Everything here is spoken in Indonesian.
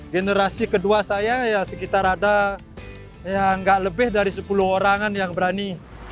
generasi kedua saya ya sekitar ada yang tidak lebih dari sepuluh orang yang berani